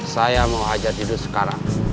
saya mau ajak tidur sekarang